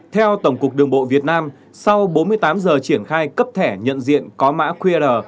theo tổng cục đường bộ việt nam sau bốn mươi tám giờ triển khai cấp thẻ nhận diện có mã qr